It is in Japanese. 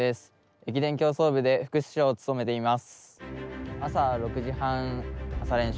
駅伝競走部で副主将を務めています。